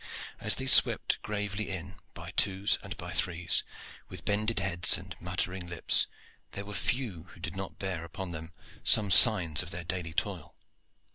As they swept gravely in by twos and by threes, with bended heads and muttering lips there were few who did not bear upon them some signs of their daily toil.